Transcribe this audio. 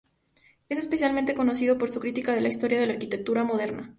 Es especialmente conocido por su crítica de la historia de la arquitectura moderna.